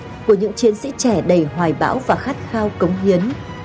độ tuổi đẹp nhất của những chiến sĩ trẻ đầy hoài bão và khát khao cống hiến